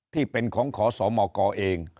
ที่เป็นของขอสมกเอง